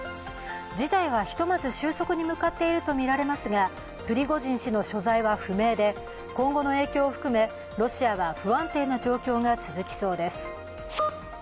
事態はひとまず収束に向かっているとみられますがプリゴジン氏の所在は不明で今後の影響を含めロシアは不安定な状況が続きそうです。